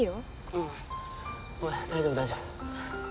うんごめん大丈夫大丈夫。